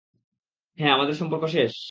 হ্যাঁ, আমাদের সম্পর্ক শেষ।